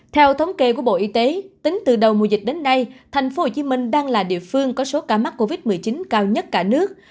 theo thống kê của bộ y tế tính từ đầu mùa dịch đến nay tp hcm đang là địa phương có số ca mắc covid một mươi chín cao nhất cả nước